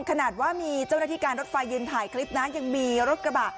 ขนาดว่ามีเจ้าหน้าที่การรถไฟยืนถ่ายคลิปนะยังมีรถกระบะ